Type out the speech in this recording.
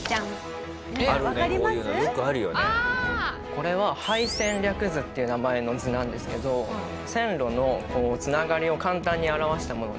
これは配線略図っていう名前の図なんですけど線路の繋がりを簡単に表したもので。